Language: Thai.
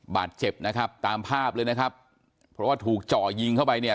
บาดเจ็บนะครับตามภาพเลยนะครับเพราะว่าถูกจ่อยิงเข้าไปเนี่ย